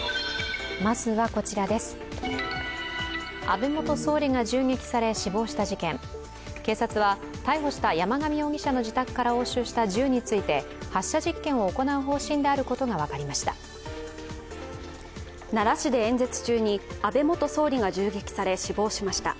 安倍元総理が銃撃され死亡した事件、警察は逮捕した山上容疑者の自宅から押収した銃について発射実験を行う方針であることが分かりました。